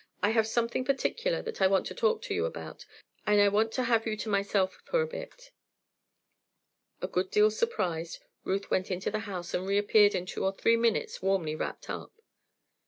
I have something particular that I want to talk to you about, and want to have you to myself for a bit." A good deal surprised, Ruth went into the house and reappeared in two or three minutes warmly wrapped up.